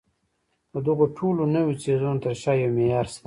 د دغو ټولو نويو څيزونو تر شا يو معيار شته.